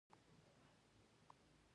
د پړانګ پوستکی ښکلي تورې داغې لري.